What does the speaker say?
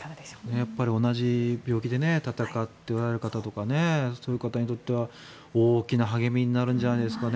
やっぱり同じ病気で闘っておられる方とかそういう方にとっては大きな励みになるんじゃないですかね。